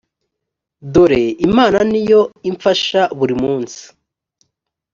dore imana ni yo imfasha buri munsi